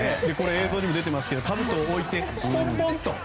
映像にも出ていますがかぶとを置いてポンポンと。